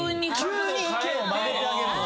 急に意見を曲げてあげるんです。